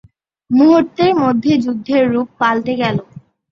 মুহূর্তের মধ্যে যুদ্ধের রূপ পাল্টে গেল।